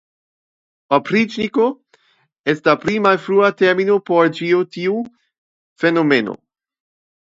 Opriĉniko estas pli malfrua termino por ĉi tiu fenomeno.